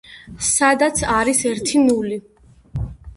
სადაც არის ერთი ნული.